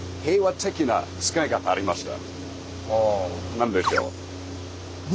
何でしょう？